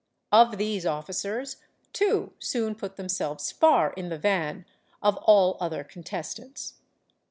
Of these officers, two soon put themselves far ir the van of all other contestants.